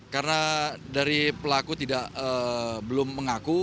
karena dari pelaku belum mengaku